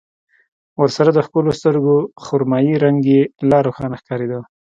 ورسره د ښکلو سترګو خرمايي رنګ يې لا روښانه ښکارېده.